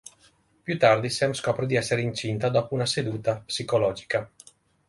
Più tardi, Sam scopre di essere incinta dopo una seduta psicologica.